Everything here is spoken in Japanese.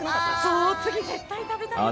そう次絶対食べたいよね。